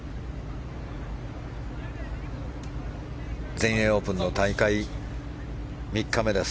全英オープンの大会３日目です。